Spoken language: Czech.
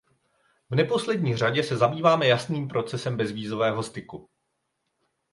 V neposlední řadě se zabýváme jasným procesem bezvízového styku.